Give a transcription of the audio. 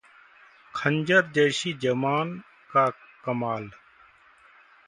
खंजर जैसी जबान का कमाल